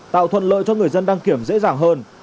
tạo thuận lợi cho người dân đăng kiểm dễ dàng hơn